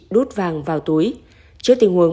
đút vàng vào túi trước tình huống